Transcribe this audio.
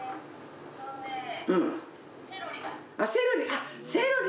あっセロリ！